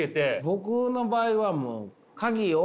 僕の場合はもうフフフ。